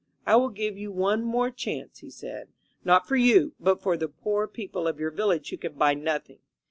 I will give you one more chance," he said, "not for you, but for the poor people of your village who can buy nothing.